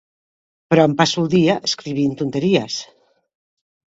Però em passo el dia escrivint tonteries.